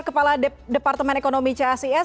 kepala departemen ekonomi cacs